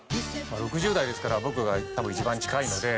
６０代ですから僕が多分一番近いので。